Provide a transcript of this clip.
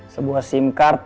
sebuah sim card